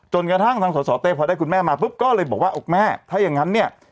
กระทั่งทางสสเต้พอได้คุณแม่มาปุ๊บก็เลยบอกว่าอกแม่ถ้าอย่างนั้นเนี่ย